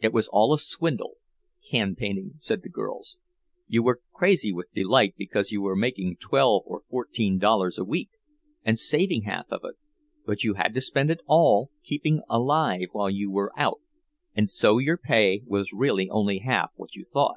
It was all a swindle, can painting, said the girls—you were crazy with delight because you were making twelve or fourteen dollars a week, and saving half of it; but you had to spend it all keeping alive while you were out, and so your pay was really only half what you thought.